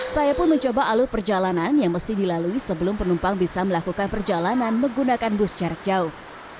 saya pun mencoba alur perjalanan yang mesti dilalui sebelum penumpang bisa melakukan perjalanan menggunakan bus jarak jauh